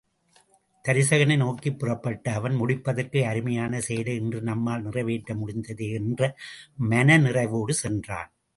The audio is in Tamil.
தருசகனை நோக்கிப் புறப்பட்ட அவன், முடிப்பதற்கு அருமையான செயலை இன்று நம்மால் நிறைவேற்ற முடிந்ததே என்ற மனநிறைவோடு சென்றான்.